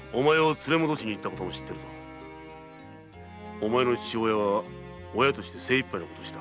お前の父親は親として精いっぱいのことをした。